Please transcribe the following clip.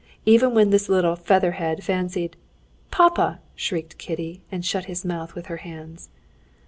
"Even when this little feather head fancied...." "Papa!" shrieked Kitty, and shut his mouth with her hands.